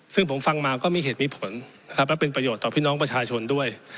ซึ่งผมฟังมาก็มีเหตุมีผลนะครับและเป็นประโยชน์ต่อพี่น้องประชาชนด้วย